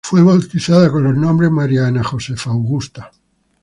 Fue bautizada con los nombres "María Ana Josefa Augusta".